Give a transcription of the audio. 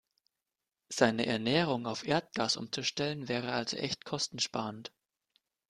Seine Ernährung auf Erdgas umzustellen, wäre also echt kostensparend.